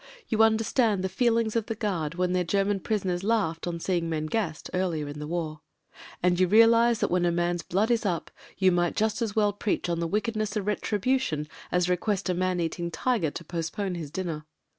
You under stand the feelings of the guard when their German prisoners laughed on seeing men gassed — earlier in the war. And you realise that when a man's blood is up, you might just as well preach on the wickedness :>f retribution as request a man eating tiger to post pone his dinner.